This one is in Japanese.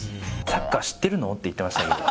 サッカー知ってるの？って言ってましたけど。